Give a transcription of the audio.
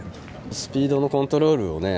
スピードのコントロールをね